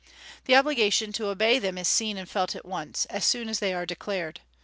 The obligation to obey them is seen and felt at once, as soon as they are declared.